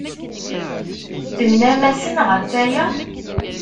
Tennam-asen ɣef waya?